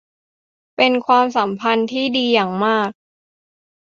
เป็นความสัมพันธ์ที่ดีอย่างมาก